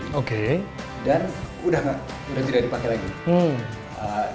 bagi kami kita harus memiliki barang barang yang sudah terlalu dibeli dan sudah tidak dipakai lagi